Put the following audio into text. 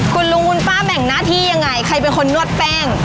คุณลุงคุณป้าแบ่งหน้าที่ยังไงใครเป็นคนนวดแป้ง